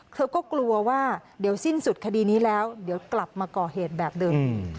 เธอก็กลัวว่าเดี๋ยวสิ้นสุดคดีนี้แล้วเดี๋ยวกลับมาก่อเหตุแบบเดิม